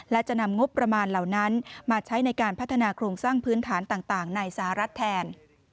และจะนำงบประมาณเหล่านั้นมาใช้ในการพัฒนาโครงสร้างพื้นฐานต่างในสหรัฐแทน